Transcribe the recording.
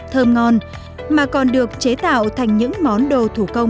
thơm ngon mà còn được chế tạo thành những món đồ thủ công